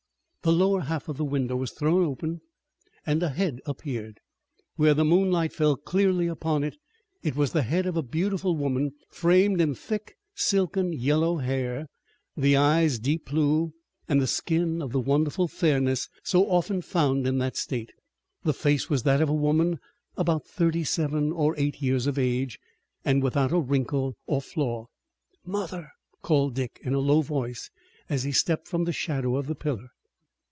The lower half of the window was thrown open and a head appeared, where the moonlight fell clearly upon it. It was the head of a beautiful woman, framed in thick, silken yellow hair, the eyes deep blue, and the skin of the wonderful fairness so often found in that state. The face was that of a woman about thirty seven or eight years of age, and without a wrinkle or flaw. "Mother!" called Dick in a low voice as he stepped from the shadow of the pillar.